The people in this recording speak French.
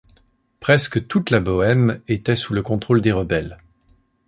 Presque toute la Bohême était sous le contrôle des rebelles.